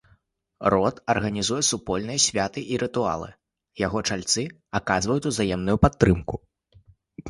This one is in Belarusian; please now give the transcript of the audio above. Род арганізуе супольныя святы і рытуалы, яго чальцы аказваюць узаемную падтрымку.